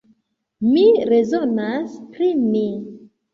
Mi rezonas pri mi.